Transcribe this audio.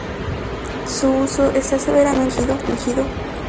Su uso está severamente restringido.